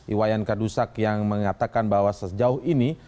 iwayan kadusak yang mengatakan bahwa sejauh ini